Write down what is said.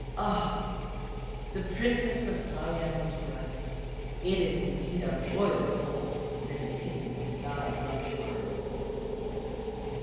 Ah! the Princess of Siam was right. It is indeed a Royal Soul that is hidden in thy rough body!"